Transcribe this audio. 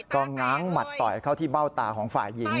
ก็ง้างหมัดต่อยเข้าที่เบ้าตาของฝ่ายหญิง